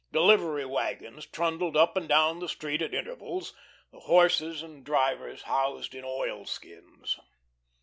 Delivery wagons trundled up and down the street at intervals, the horses and drivers housed in oil skins.